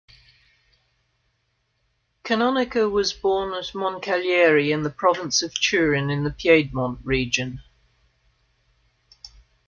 Canonica was born at Moncalieri in the province of Turin in the Piedmont region.